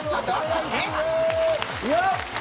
よっ！